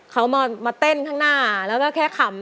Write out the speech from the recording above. เขามาเต้นข้างหน้าแล้วก็แค่ขำ